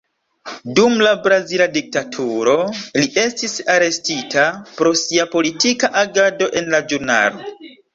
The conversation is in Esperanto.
Dum la brazila diktaturo, li estis arestita pro sia politika agado en la ĵurnalo.